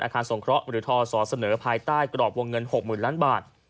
อาคารสงเคราะห์หรือทศเสนอภายใต้กรอบวงเงิน๖๐๐๐ล้านบาท